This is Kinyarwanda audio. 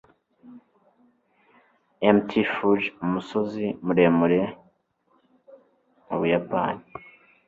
mt. fuji, umusozi muremure mu buyapani